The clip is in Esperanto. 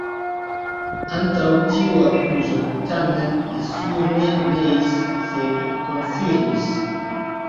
Antaŭ tiu akuzo, tamen, Jesuo ne neis, sed konfirmis.